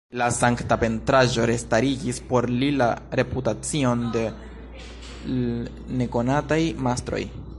La sankta pentraĵo restarigis por li la reputacion de l' nekonataj mastroj.